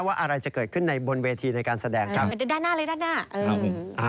ว่าอะไรจะเกิดขึ้นในบนเวทีในการแสดงครับด้านหน้าเลยด้านหน้า